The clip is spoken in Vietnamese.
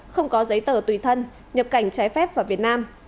không có giấy tờ tùy thân nhập cảnh trái phép vào việt nam